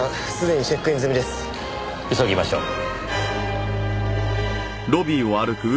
急ぎましょう。